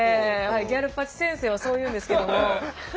ギャル八先生はそう言うんですけども。